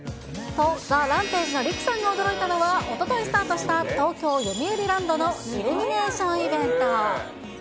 ＴＨＥＲＡＭＰＡＧＥのさんが驚いたのは、おとといスタートした東京・よみうりランドのイルミネーションイベント。